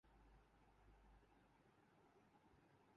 ساتھ میں بسکٹ اور کھا پ کا دوسرا سامان تھے